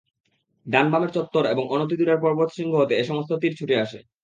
ডান-বামের চত্বর এবং অনতি দূরের পর্বত শৃঙ্গ হতে এ সমস্ত তীর ছুটে আসে।